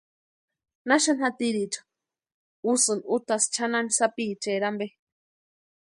¿Naxani jatiricha úxuni utasï chʼanani sapichaeri ampe?